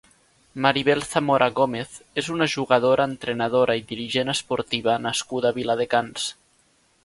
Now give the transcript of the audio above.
Maribel Zamora Gómez és una jugadora, entrenadora i dirigent esportiva nascuda a Viladecans.